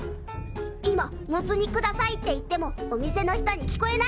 今「モツ煮下さい」って言ってもお店の人に聞こえないんだね。